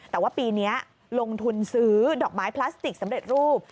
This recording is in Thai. แต่ว่าปีนี้ลงทุนซื้อดอกไม้พลาสติกสำเร็จรูป